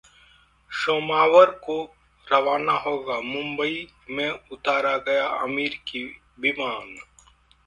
सोमावर को रवाना होगा मुंबई में उतारा गया अमेरिकी विमान